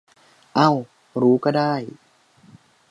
เอ้า รู้ก็ได้